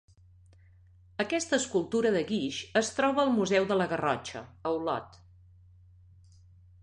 Aquesta escultura de guix es troba al Museu de la Garrotxa, a Olot.